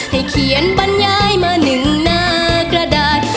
ให้เขียนบรรยายมาหนึ่งหน้ากระดาษ